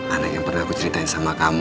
anak yang pernah aku ceritain sama kamu